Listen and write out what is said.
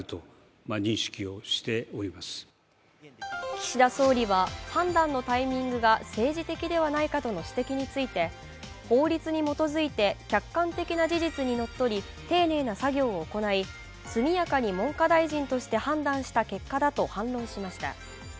岸田総理は判断のタイミングが政治的ではないかとの指摘について法律に基づいて客観的な事実にのっとり丁寧な作業を行い、速やかに文科大臣として判断した結果だと反論しました。